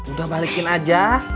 udah balikin aja